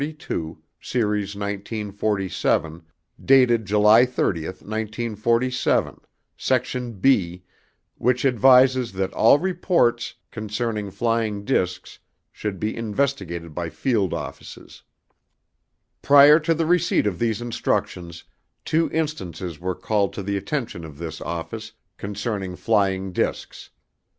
42, Series 1947, dated July 30, 1947, Section (B), which advises that all reports concerning flying discs should be investigated by field offices. Prior to the receipt of these instructions, two instances were called to the attention of this office concerning flying discs.